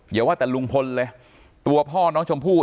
อย่าว่าแต่ลุงพลเลยตัวพ่อน้องชมพู่